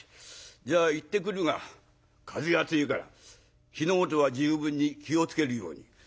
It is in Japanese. じゃあ行ってくるが風が強いから火の元は十分に気を付けるように。